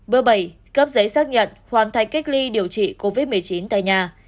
b bảy cấp giấy xác nhận hoàn thành cách ly điều trị covid một mươi chín tại nhà